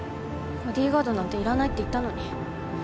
ボディーガードなんていらないって言ったのに。